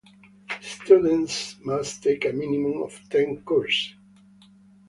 Students must take a minimum of ten courses.